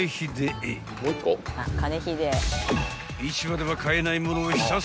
［市場では買えないものをひたすらアチョー！］